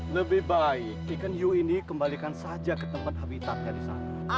lebih baik ikan iu ini kembalikan saja ke tempat habitat dari sana